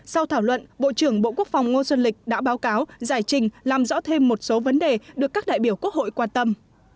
sau thảo luận bộ trưởng bộ quốc phòng ngô xuân lịch đã báo cáo giải trình làm rõ thêm một số vấn đề được các đại biểu quốc hội quan tâm